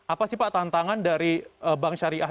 apa sih pak tantangan dari bank syariah